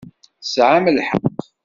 Tesɛam lḥeqq.